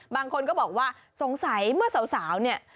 บางคนก็บอกว่าสงสัยเมื่อสาวเนี่ย